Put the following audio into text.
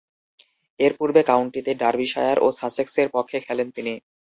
এরপূর্বে কাউন্টিতে ডার্বিশায়ার ও সাসেক্সের পক্ষে খেলেন তিনি।